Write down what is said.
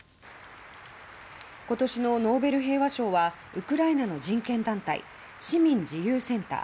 今年のノーベル平和賞はウクライナの人権団体市民自由センター